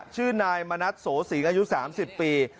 ชื่อนายมณัฐโสสิงอายุ๓๐ปี